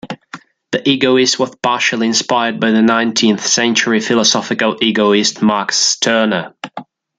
"The Egoist" was partially inspired by the nineteenth-century philosophical egoist Max Stirner.